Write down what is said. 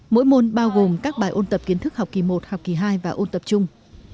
mỗi môn bao gồm các bài ôn tập kiến thức học kỳ một học kỳ hai và ôn tập trung